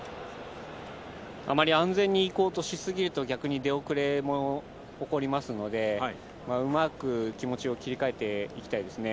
あまり安全に行こうとしすぎると逆に出遅れも起こりますのでうまく気持ちを切り替えていきたいですね。